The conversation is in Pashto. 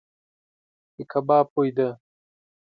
د کباب بوی دی .